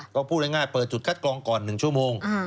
ก็พูดง่ายเปิดจุดคัดกรองก่อน๑ชั่วโมง